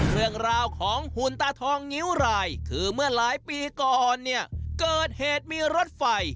เรื่องราวของหุ่นตาทองงิ้วรายคือเมื่อหลายปีก่อนเนี่ยเกิดเหตุมีรถไฟ